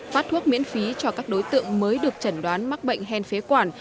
phát thuốc miễn phí cho các đối tượng mới được chẩn đoán mắc bệnh hen phế quản